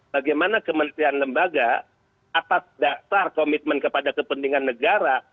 bagaimana kementerian lembaga atas dasar komitmen kepada kepentingan negara